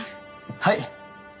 はい。